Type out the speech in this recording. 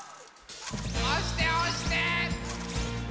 おしておして！